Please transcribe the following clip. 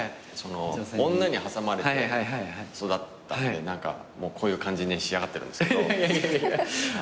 女に挟まれて育ったんでこういう感じに仕上がってるんですけど。